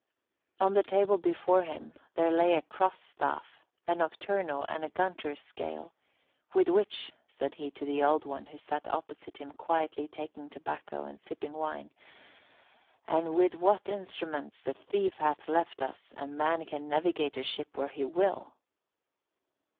On the table before him there lay a cross staff, a nocturnal and a Gunter's scale, "with which," said he, to the Old One, who sat opposite him quietly taking tobacco and sipping wine, "and with what instruments the thief hath left us, a man can navigate a ship where he will."